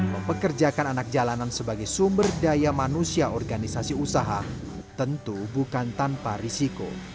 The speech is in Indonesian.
mempekerjakan anak jalanan sebagai sumber daya manusia organisasi usaha tentu bukan tanpa risiko